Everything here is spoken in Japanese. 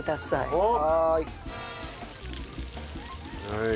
はい。